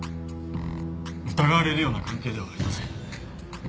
疑われるような関係ではありません。